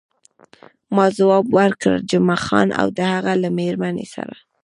ما ځواب ورکړ، جمعه خان او د هغه له میرمنې سره.